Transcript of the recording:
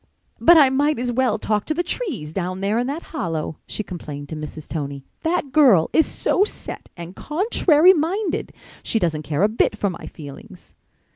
"But I might as well talk to the trees down there in that hollow," she complained to Mrs. Tony. "That girl is so set and contrary minded. She doesn't care a bit for my feelings."